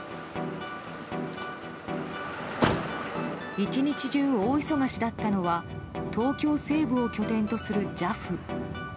１日中大忙しだったのは東京西部を拠点とするＪＡＦ。